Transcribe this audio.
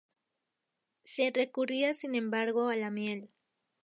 Se recurría sin embargo a la miel.